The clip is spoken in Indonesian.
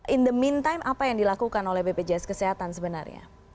in the mean time apa yang dilakukan oleh bpjs kesehatan sebenarnya